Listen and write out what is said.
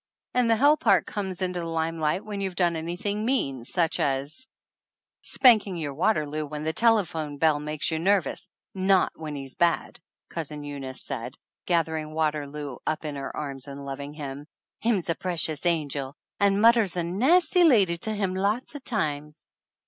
"And the hell part comes into the limelight when you've done anything mean, such as " "Spanking your Waterloo when the tele phone bell makes you nervous not when he's bad," Cousin Eunice said, gathering Waterloo up in her arms and loving him. "Him's a pre cious angel, and mudder's a nasty lady to him lots of times."